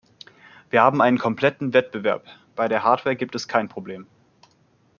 Wir haben einen kompletten Wettbewerb bei der Hardwaregibt es kein Problem.